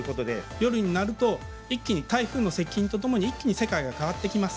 夜になると、一気に台風の接近とともに一気に世界が変わってきます。